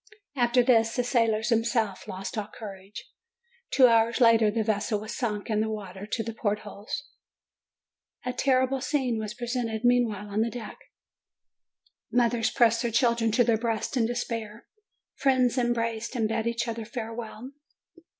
After this, the sailors themselves lost all courage. Two hours later, the vessel was sunk in the water to the port holes. 336 JUNE A terrible scene was presented meanwhile on the deck. Mothers pressed their children to their breasts in despair. Friends embraced and bade each other farewell.